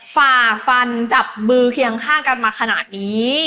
ฝ่าฟันจับมือเคียงข้างกันมาขนาดนี้